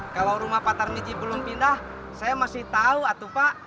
kalau rumah pak tarmiji belum pindah saya masih tahu atau pak